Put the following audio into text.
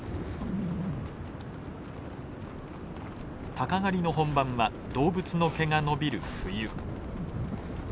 鷹狩りの本番は動物の毛が伸びる冬。